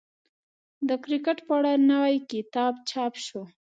د کرکټ په اړه نوی کتاب چاپ شو.